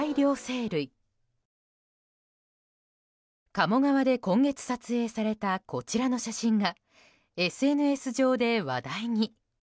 鴨川で今月撮影されたこの写真がＳＮＳ上で話題に。